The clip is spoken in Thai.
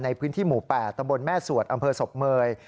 ในพื้นที่หมู่๘ตำบลแม่สวดอำเภอศพเมย